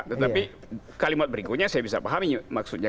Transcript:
tetapi kalimat berikutnya saya bisa pahami maksudnya